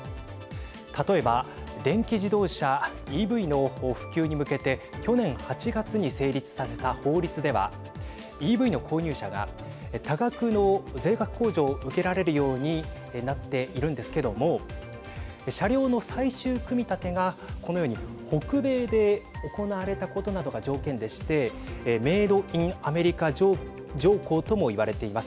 例えば電気自動車＝ＥＶの普及に向けて去年８月に成立させた法律ではＥＶの購入者が多額の税額控除を受けられるようになっているんですけども車両の最終組み立てがこのように、北米で行われたことなどが条件でしてメード・イン・アメリカ条項とも言われています。